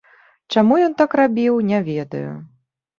Чаму ён так рабіў, не ведаю.